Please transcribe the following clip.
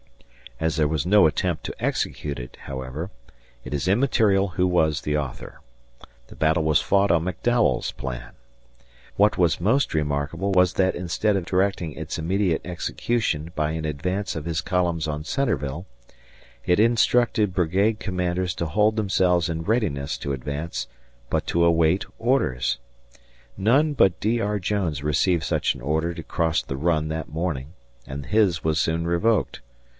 As there was no attempt to execute it, however, it is immaterial who was the author. The battle was fought on McDowell's plan. What was most remarkable was that instead of directing its immediate execution by an advance of his columns on Centreville, it instructed brigade commanders to hold themselves in readiness to advance but to wait orders. None but D. R. Jones received such an order to cross the Run that morning, and his was soon revoked.